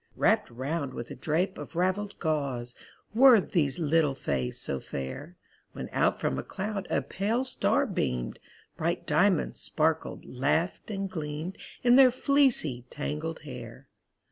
Wrapped 'round with a drape of raveled gauze Were these little fays so fair. When out from a cloud a pale star beamed, Bright diamonds sparkled, laughed, and gleamed In their fleecy, tangled hair.